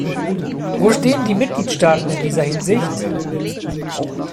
Wo stehen die Mitgliedstaaten in dieser Hinsicht?